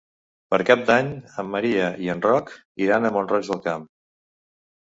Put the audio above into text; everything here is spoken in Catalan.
Per Cap d'Any en Maria i en Roc iran a Mont-roig del Camp.